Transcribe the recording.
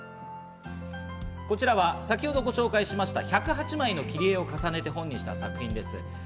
こちらは先ほどご紹介しました１０８枚の切り絵を重ねて、本にした作品です。